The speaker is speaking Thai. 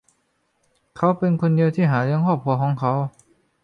เขาเป็นคนเดียวที่หาเลี้ยงครอบครัวของเขา